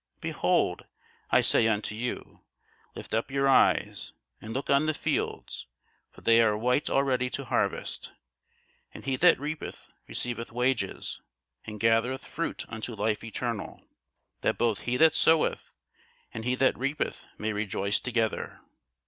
behold, I say unto you, Lift up your eyes, and look on the fields; for they are white already to harvest. And he that reapeth receiveth wages, and gathereth fruit unto life eternal: that both he that soweth and he that reapeth may rejoice together.